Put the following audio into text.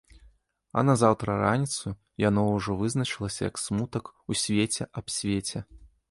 А назаўтра раніцаю яно ўжо вызначылася як смутак у свеце аб свеце.